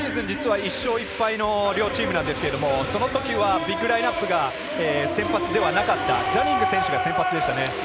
実は１勝１敗の両チームなんですけどもそのときはビッグラインナップが先発ではなかったジャニング選手が先発でしたね。